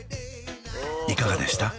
いかがでした？